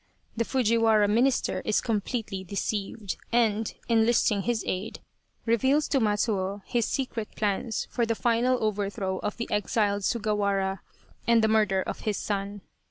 The Fujivvara Minister is completely deceived and, enlisting his aid, reveals to Matsuo his secret plans for the final overthrow of the exiled Sugawara and the murder of his son.